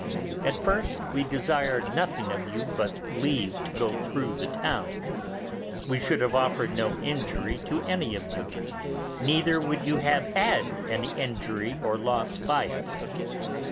At first we desired nothing of you but leave to go through the town; we should have offered no injury to any of you, neither would you have had any injury or loss by us.